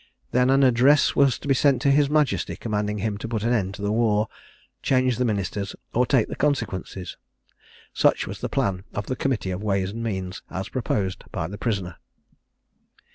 Then an address was to be sent to his majesty, commanding him to put an end to the war, change the ministers, or take the consequences. Such was the plan of the Committee of Ways and Means, as proposed by the prisoner.